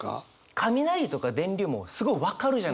雷とか電流もすごい分かるじゃないですか。